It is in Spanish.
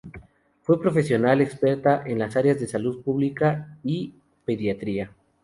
Fue profesional experta en las áreas de Salud Pública y Pediatría.